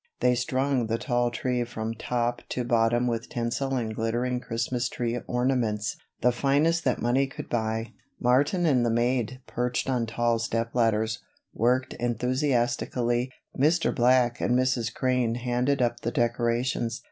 They strung the tall tree from top to bottom with tinsel and glittering Christmas tree ornaments, the finest that money could buy. Martin and the maid, perched on tall step ladders, worked enthusiastically. Mr. Black and Mrs. Crane handed up the decorations.